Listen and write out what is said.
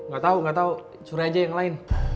gatau gatau surah aja yang lain